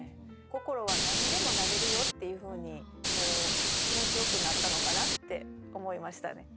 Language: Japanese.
心は何にでもなれるよっていうふうに気持ちよくなったのかなって思いましたね。